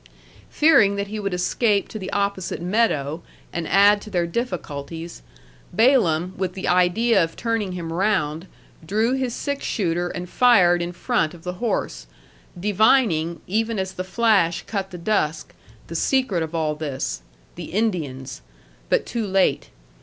Fearing that he would escape to the opposite meadow and add to their difficulties, Balaam, with the idea of turning him round, drew his six shooter and fired in front of the horse, divining, even as the flash cut the dusk, the secret of all this the Indians; but too late.